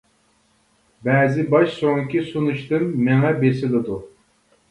بەزى باش سۆڭىكى سۇنۇشتىن مېڭە بېسىلىدۇ.